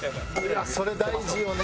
それ大事よね